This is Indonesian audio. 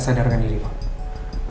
saat ini saya di capung dpr